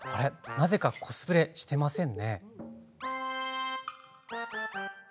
なぜかコスプレしていません。